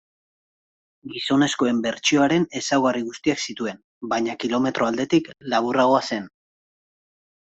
Gizonezkoen bertsioaren ezaugarri guztiak zituen, baina kilometro aldetik laburragoa zen.